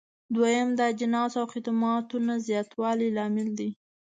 دويم: د اجناسو او خدماتو نه زیاتوالی لامل دی.